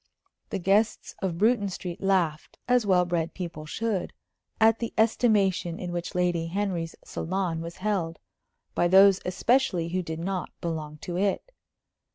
The guests of Bruton Street laughed, as well bred people should, at the estimation in which Lady Henry's salon was held, by those especially who did not belong to it.